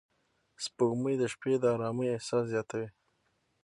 سپوږمۍ د شپې د آرامۍ احساس زیاتوي